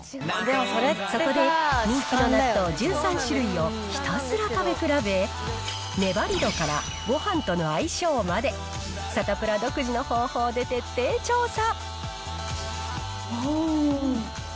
そこで、人気の納豆１３種類をひたすら食べ比べ、粘り度から、ごはんとの相性まで、サタプラ独自の方法で徹底調査。